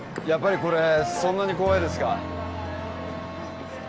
やっぱりこれそんなに怖いですか？